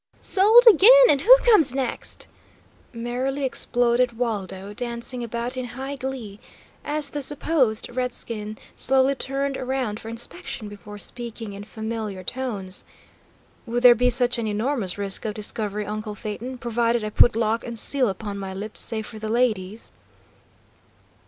"Sold again, and who comes next?" merrily exploded Waldo, dancing about in high glee as the supposed redskin slowly turned around for inspection before speaking, in familiar tones: "Would there be such an enormous risk of discovery, uncle Phaeton, provided I put lock and seal upon my lips, save for the ladies?"